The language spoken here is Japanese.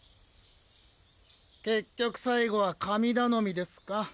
結局最後は神頼みですか？